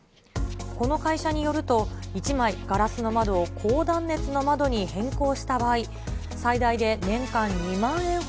この会社によると、１枚ガラスの窓を高断熱の窓に変更した場合、最大で年間２万円ほ